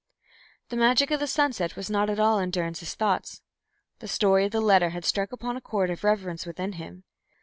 The magic of the sunset was not at all in Durrance's thoughts. The story of the letter had struck upon a chord of reverence within him.